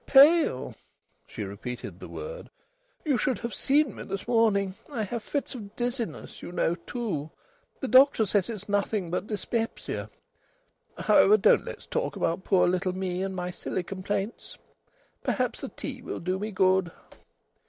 "Pale!" she repeated the word. "You should have seen me this morning: I have fits of dizziness, you know, too. The doctor says it's nothing but dyspepsia. However, don't let's talk about poor little me and my silly complaints. Perhaps the tea will do me good."